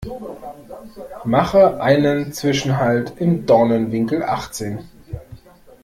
Mache einen Zwischenhalt im Dornenwinkel achtzehn.